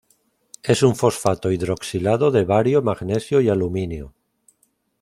Es un fosfato hidroxilado de bario, magnesio y aluminio.